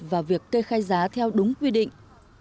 và việc kê khai giá theo đúng quy định